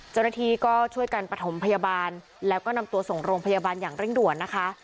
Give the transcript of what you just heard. เจ้าหน้าที่ก็ช่วยกันประถมพยาบาลแล้วก็นำตัวส่งโรงพยาบาลอย่างเร่งด่วนนะคะ